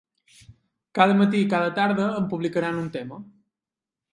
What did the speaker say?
Cada matí i cada tarda en publicaran un tema.